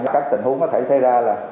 các tình huống có thể xảy ra là